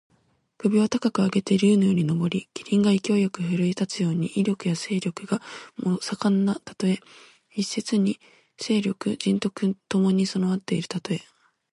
首を高く上げて竜のように上り、麒麟が勢いよく振るい立つように、威力や勢力が盛んなたとえ。一説に勢力・仁徳ともに備わるたとえ。